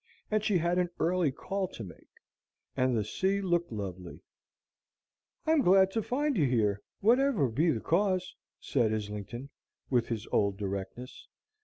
And she had an early call to make. And the sea looked lovely. "I'm glad to find you here, whatever be the cause," said Islington, with his old directness.